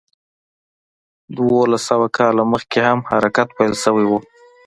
دولس سوه کاله مخکې هم حرکت پیل شوی و.